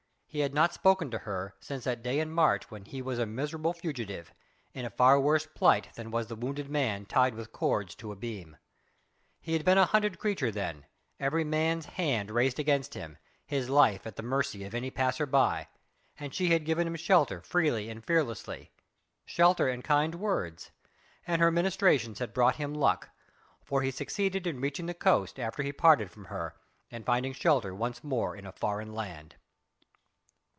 He had not spoken to her since that day in March when he was a miserable fugitive in a far worse plight than was the wounded man tied with cords to a beam. He had been a hunted creature then, every man's hand raised against him, his life at the mercy of any passer by, and she had given him shelter freely and fearlessly shelter and kind words and her ministrations had brought him luck, for he succeeded in reaching the coast after he parted from her, and finding shelter once more in a foreign land.